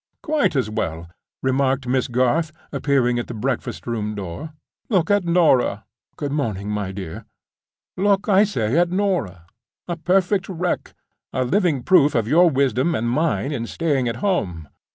"Quite as well," remarked Miss Garth, appearing at the breakfast room door. "Look at Norah (good morning, my dear)—look, I say, at Norah. A perfect wreck; a living proof of your wisdom and mine in staying at home.